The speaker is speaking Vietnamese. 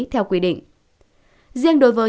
theo quy định riêng đối với